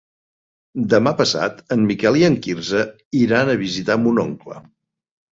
Demà passat en Miquel i en Quirze iran a visitar mon oncle.